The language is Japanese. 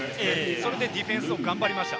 それでディフェンスを頑張りました。